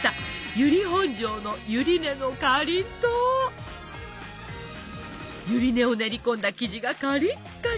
由利本荘のゆり根を練り込んだ生地がカリッカリ！